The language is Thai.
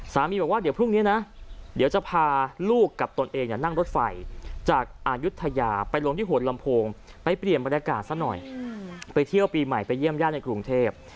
บอกว่าเดี๋ยวพรุ่งนี้นะเดี๋ยวจะพาลูกกับตนเองนั่งรถไฟจากอายุทยาไปลงที่หัวลำโพงไปเปลี่ยนบรรยากาศซะหน่อยไปเที่ยวปีใหม่ไปเยี่ยมญาติในกรุงเทพ